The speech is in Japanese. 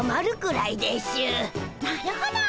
なるほど。